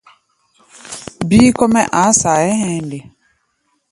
Bíí kɔ́-mɛ́ a̧a̧ saayé hɛ̧ɛ̧ nde?